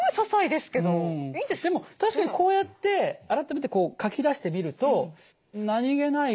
でも確かにこうやって改めてこう書き出してみると何気ない